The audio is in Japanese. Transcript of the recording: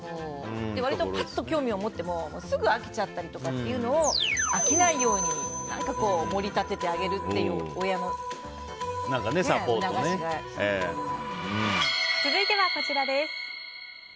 割とパッと興味を持ってもすぐ飽きちゃったりというのを飽きないように何か盛り立ててあげるっていう続いてはこちらです。